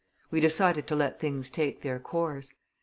We decided to let things take their course.